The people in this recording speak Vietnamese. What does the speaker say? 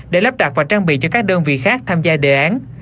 để lắp đặt và trang bị cho các đơn vị khác tham gia đề án